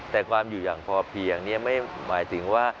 แต่ความอยู่อย่างพอเพียงไม่หมายถึงว่า